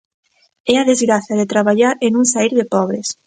É a desgraza de traballar e non saír de pobres.